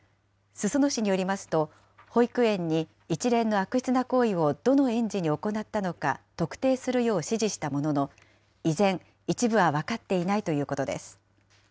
裾野市によりますと、保育園に一連の悪質な行為をどの園児に行ったのか特定するよう指示したものの、依然、一部は分かっていないということです。